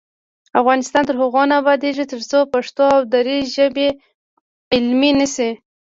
افغانستان تر هغو نه ابادیږي، ترڅو پښتو او دري ژبې علمي نشي.